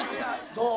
どう？